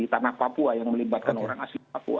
tanah papua yang melibatkan orang asli papua